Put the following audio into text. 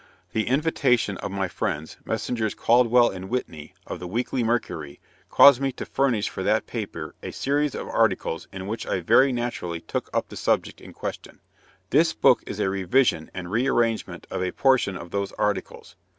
The invitation of my friends Messrs. Cauldwell and Whitney of the "Weekly Mercury" caused me to furnish for that paper a series of articles in which I very naturally took up the subject in question. This book is a revision and re arrangement of a portion of those articles.